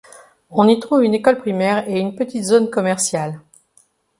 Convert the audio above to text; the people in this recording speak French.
On y trouve une école primaire et une petite zone commerciale.